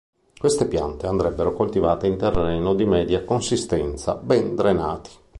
Queste piante andrebbero coltivate in terreno di media consistenza, ben drenati.